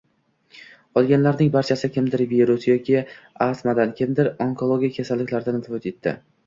Qolganlarning barchasi: kimdir virus yoki astmadan, kimdir onkologik kasallikdan vafot etdi